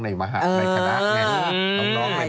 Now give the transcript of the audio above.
ในคณะแห่งน้อง